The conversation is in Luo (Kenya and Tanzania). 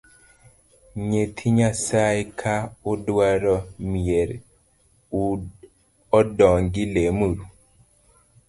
Nyithii nyasae ka udwaro mier u odong’i lem uru